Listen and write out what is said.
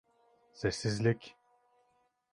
Sessizlik!